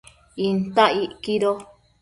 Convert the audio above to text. Intac isquido